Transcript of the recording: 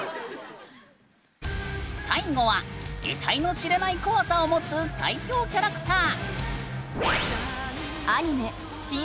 最後は「得体の知れない」恐さを持つ最恐キャラクター！